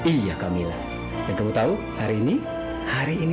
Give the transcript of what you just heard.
saya akan buka perban yang ada di wajah taufan